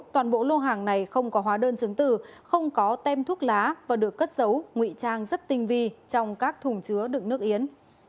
toàn bộ lô hàng này không có hóa đơn chứng từ không có tem thuốc lá và được cất giấu nguy trang rất tinh vi trong các thùng chứa đựng nước yến